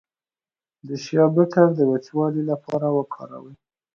د شیا بټر د وچوالي لپاره وکاروئ